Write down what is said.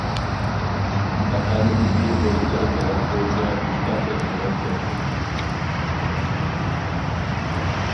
مەھەلىدىكى دوستلىرىم بىلەن ئۆيگە ئۇچقاندەك مېڭىپ كەتتۇق.